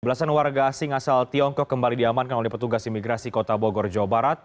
belasan warga asing asal tiongkok kembali diamankan oleh petugas imigrasi kota bogor jawa barat